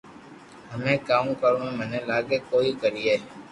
ھمي ڪاو ڪرو تو مني لاگي ڪوئي ڪريي